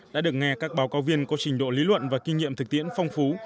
đã được nghe các báo cáo viên có trình độ lý luận và kinh nghiệm thực tiễn phong phú